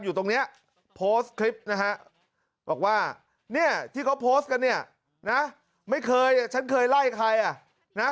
อยู่ตรงนี้โพสต์คลิปนะฮะบอกว่าเนี่ยที่เขาโพสต์กันเนี่ยนะไม่เคยฉันเคยไล่ใครอ่ะนะ